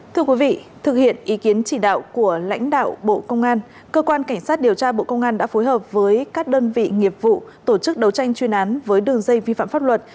thưa quý vị thực hiện ý kiến chỉ đạo của lãnh đạo bộ công an cơ quan cảnh sát điều tra bộ công an đã phối hợp với các đơn vị nghiệp vụ tổ chức đấu tranh chuyên án với đường dây vi phạm pháp luật